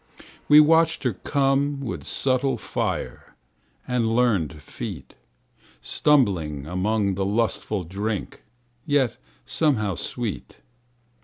We watched her come with subtle fire And learned feet, Stumbling among the lustful drunk Yet somehow sweet.